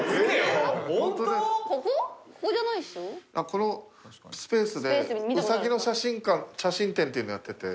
このスペースでうさぎの写真展っていうのやってて。